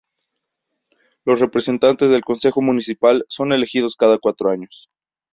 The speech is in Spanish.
Los representantes del concejo municipal son elegidos cada cuatro años.